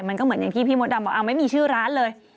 มันก็เหมือนอย่างที่พี่มดดำบอกไม่มีชื่อร้านเลย